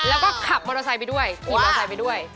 แล้วก็ขับมอเตอร์ไซค์ไปด้วยขี่มอเตอร์ไซค์ไปด้วย